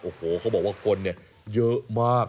โอ้โหเขาบอกว่าคนเยอะมาก